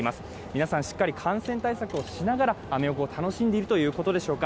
皆さん、しっかり感染対策をしながらアメ横を楽しんでるということでしょうか。